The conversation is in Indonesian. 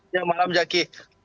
ya malam zaki